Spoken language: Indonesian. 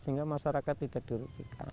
sehingga masyarakat tidak dirugikan